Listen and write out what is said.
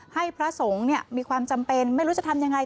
พระสงฆ์มีความจำเป็นไม่รู้จะทำยังไง